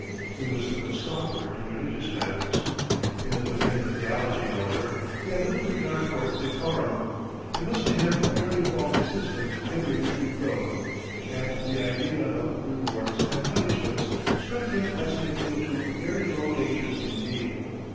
He was no scoffer in religious matters. In the domain of theology, however, he had little regard for decorum. It was to him a very faulty system hindering true growth, and the idea of rewards and punishments struck him as an appeal to very low natures indeed.